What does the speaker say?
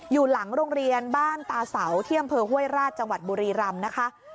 อยู่หลังโรงเรียนบ้านตาเสาที่อำเภอห้วยราชจังหวัดบุรีรำนะคะ